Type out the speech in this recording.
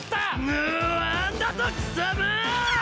ぬぁんだと貴様ぁ！